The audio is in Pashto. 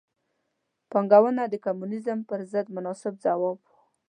پانګونه د کمونیزم پر ضد مناسب ځواب و.